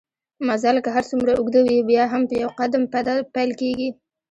مزل که هرڅومره اوږده وي بیا هم په يو قدم پېل کېږي